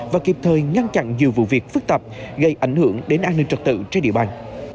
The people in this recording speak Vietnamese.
và nhiều vụ việc phức tạp gây ảnh hưởng đến an ninh trật tự trên địa bàn